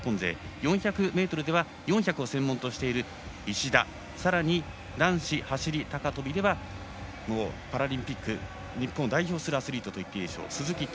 ４００ｍでは４００を専門としている石田さらに男子走り高跳びではパラリンピック日本を代表するアスリートと言っていいでしょう鈴木徹。